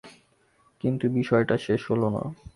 কিন্তু বিষয়টা শেষ হলো না।